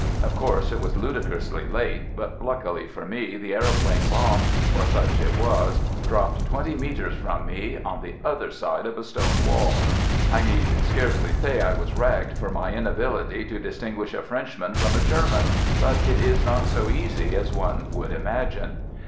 Of course, it was ludicrously late, but luckily for me the aeroplane bomb, for such it was, dropped twenty metres from me, on the other side of a stone wall. I need scarcely say I was ragged for my inability to distinguish a Frenchman from a German, but it is not so easy as one would imagine.